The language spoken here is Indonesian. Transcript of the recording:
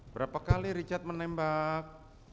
berapa kali rincat menembak